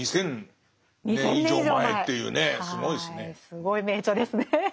すごい名著ですね。